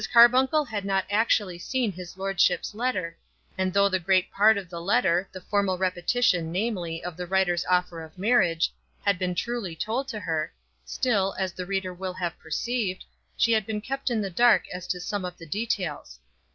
Carbuncle had not actually seen his lordship's letter; and though the great part of the letter, the formal repetition, namely, of the writer's offer of marriage, had been truly told to her, still, as the reader will have perceived, she had been kept in the dark as to some of the details.